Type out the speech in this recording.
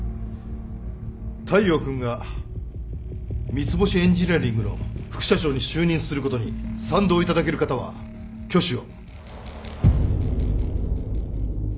大陽君が三ツ星エンジニアリングの副社長に就任することに賛同いただける方は挙手を